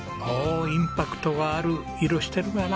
インパクトがある色してるかな？